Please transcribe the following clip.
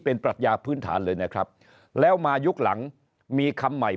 เป็นปรัชญาพื้นฐานเลยนะครับแล้วมายุคหลังมีคำใหม่